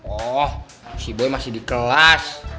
oh si boy masih di kelas